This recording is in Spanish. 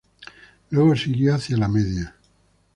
Luego siguió hacia la Media.